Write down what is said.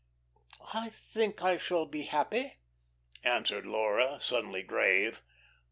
"I think I shall be happy," answered Laura, suddenly grave.